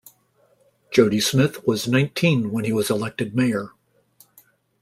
Jody Smith was nineteen when he was elected mayor.